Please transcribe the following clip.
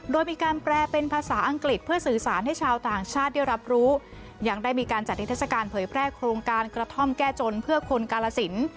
โดยมีการแปลเป็นภาษาอังกฤษเพื่อสื่อสารให้ชาวต่างชาติได้รับรู้ยังได้มีการจัดนิทัศกาลเผยแพร่โครงการกระท่อมแก้จนเพื่อคนกาลสิน